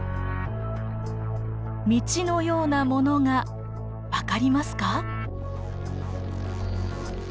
道のようなものが分かりますか？